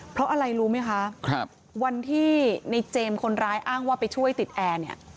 เพราะอะไรรู้ไหมคะวันที่ในเจมส์คนร้ายอ้างว่าไปช่วยติดแอร์เนี่ย